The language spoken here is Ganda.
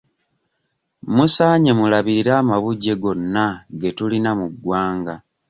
Musaanye mulabirire amabujje gonna ge tulina mu ggwanga.